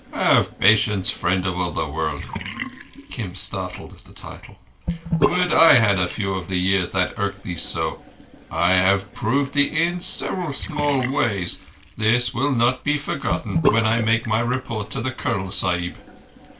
"Have patience, Friend of all the World"—Kim started at the title. "Would I had a few of the years that so irk thee. I have proved thee in several small ways. This will not be forgotten when I make my report to the Colonel Sahib."